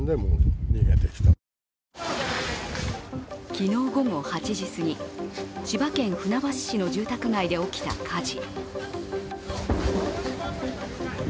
昨日午後８時過ぎ、千葉県船橋市の住宅街で起きた火事。